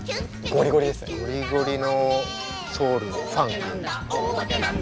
ゴリゴリのソウルファンク。